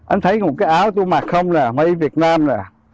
anh thấy một cái áo tôi mặc không nè mây việt nam nè